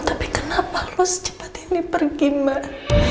tapi kenapa lo secepat ini pergi mbak